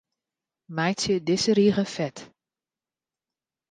Meitsje dizze rige fet.